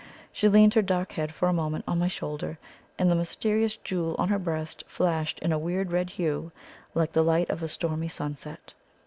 She leaned her dark head for a moment on my shoulder, and the mysterious jewel on her breast flashed into a weird red hue like the light of a stormy sunset.